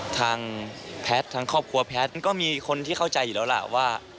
ทางแพทย์ทางครอบครัวแพทย์ก็มีคนที่เข้าใจอยู่แล้วล่ะว่า